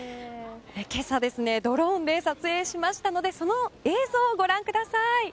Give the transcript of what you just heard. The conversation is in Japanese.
今朝、ドローンで撮影しましたのでその映像をご覧ください。